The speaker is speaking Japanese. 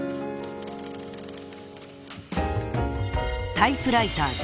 ［『タイプライターズ』